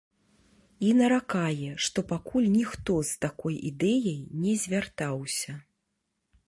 І наракае, што пакуль ніхто з такой ідэяй не звяртаўся.